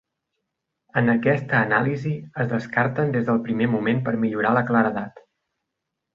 En aquesta anàlisi, es descarten des del primer moment per millorar la claredat.